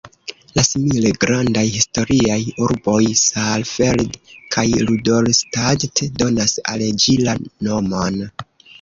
La simile grandaj historiaj urboj Saalfeld kaj Rudolstadt donas al ĝi la nomon.